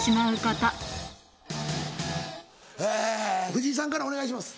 藤井さんからお願いします。